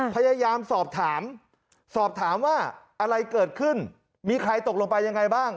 พยายามสอบถามสอบถามว่าอะไรเกิดขึ้นมีใครตกลงไปยังไงบ้าง